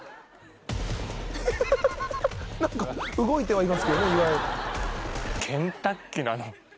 何か動いてはいますけどね岩井。